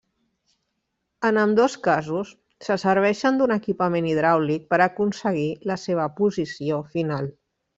En ambdós casos se serveixen d'un equipament hidràulic per aconseguir la seva posició final.